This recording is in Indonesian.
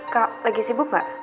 kak lagi sibuk gak